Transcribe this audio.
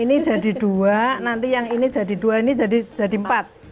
ini jadi dua nanti yang ini jadi dua ini jadi empat